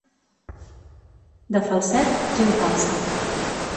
De Falset, gent falsa.